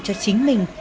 cậu bé đậu ngọc kiên